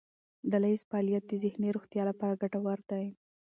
ډلهییز فعالیت د ذهني روغتیا لپاره ګټور دی.